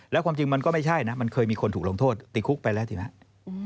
แล้วความจริงมันก็ไม่ใช่นะมันเคยมีคนถูกลงโทษติดคุกไปแล้วถูกไหม